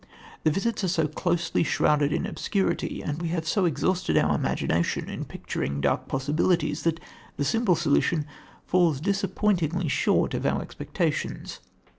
The visits are so closely shrouded in obscurity, and we have so exhausted our imagination in picturing dark possibilities, that the simple solution falls disappointingly short of our expectations.